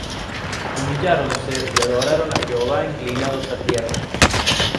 humilláronse, y adoraron á Jehová inclinados á tierra.